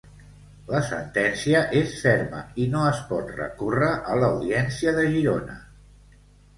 La sentència és ferma i no es pot recórrer a l'Audiència de Girona.